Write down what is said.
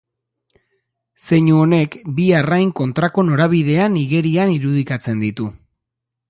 Zeinu honek bi arrain kontrako norabidean igerian irudikatzen ditu.